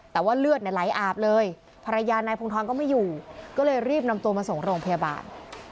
แต่ว่าเลือดเนี่ยไหลอาบเลยภรรยานายพงธรก็ไม่อยู่ก็เลยรีบนำตัวมาส่งโรงพยาบาล